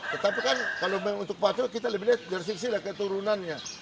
tetapi kan kalau untuk patut kita lebih lihat dari sisi kecil keturunannya